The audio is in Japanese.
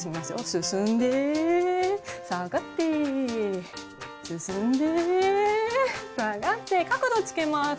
進んで下がって角度つけます。